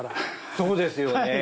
そうですよね！